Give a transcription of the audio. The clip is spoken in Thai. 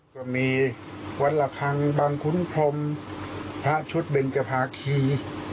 ก็มีวัตลภังบางคุณพรมพระชุดเบรนจภาคี